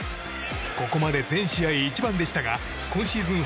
ここまで全試合１番でしたが今シーズン